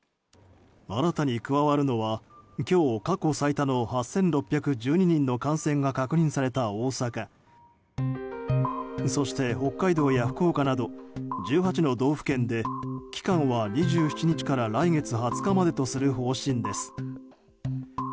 新たに加わるのは今日過去最多の８６１２人の感染が確認された大阪そして北海道や福岡など１８の道府県で期間は２７日から来月２０日までとする方針です。